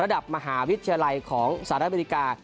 ระดับมหาวิทยาลัยของสหรัฐอเมริกา